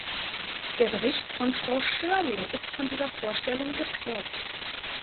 Der Bericht von Frau Schörling ist von dieser Vorstellung geprägt.